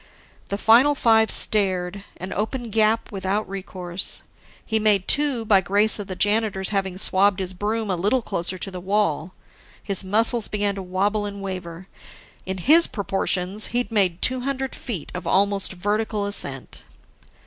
The final five stared, an open gap without recourse. He made two by grace of the janitor's having swabbed his broom a little closer to the wall. His muscles began to wobble and waver: in his proportions, he'd made two hundred feet of almost vertical ascent.